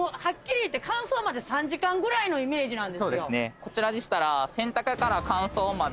こちらでしたら洗濯から乾燥まで。